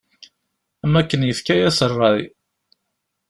Am wakken yefka-as rray.